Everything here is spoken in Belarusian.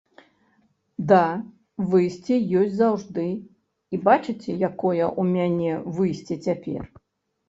Да, выйсце ёсць заўжды і бачыце, якое ў мяне выйсце цяпер?